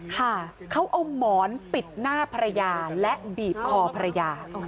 ค่ะเขาเอาหมอนปิดหน้าภรรยาและบีบคอภรรยา